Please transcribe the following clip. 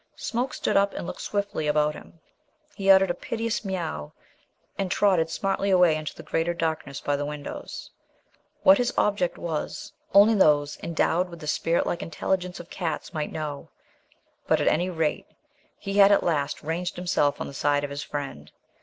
Smoke stood up and looked swiftly about him. He uttered a piteous meow and trotted smartly away into the greater darkness by the windows. What his object was only those endowed with the spirit like intelligence of cats might know. But, at any rate, he had at last ranged himself on the side of his friend.